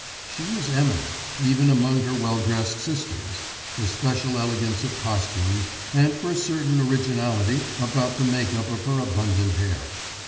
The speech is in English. She was eminent, even among her well dressed sisters, for special elegance of costume, and for a certain originality about the make up of her abundant hair.